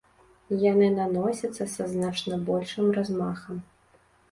Яны наносяцца са значна большым размахам.